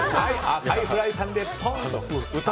赤いフライパンで、ぽんと。